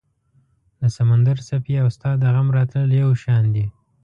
د سمندر څپې او ستا د غم راتلل یو شان دي